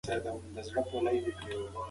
موبایل ته ډېر مه ګورئ.